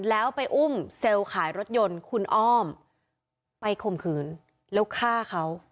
แล้วไปอุ้มเซลล์ขายรถยนต์คุณอ้อมไปข่มขืนแล้วฆ่าเขา